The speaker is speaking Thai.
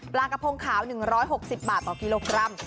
ปลากระพงขาว๑๖๐บาทต่อกิโลกรัม